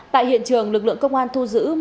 tại hiện trường lực lượng công an thu giữ